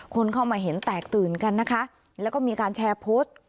คนเข้ามาเห็นแตกตื่นกันนะคะแล้วก็มีการแชร์โพสต์